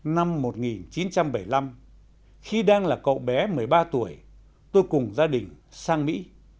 năm một nghìn chín trăm bảy mươi năm khi đang là cậu bé một mươi ba tuổi tôi cùng gia đình sang mỹ